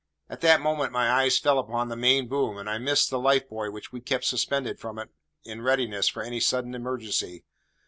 At that moment my eyes fell upon the main boom, and I missed the life buoy which we kept suspended from it in readiness for any sudden emergency.